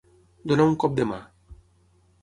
Donar un cop de mà.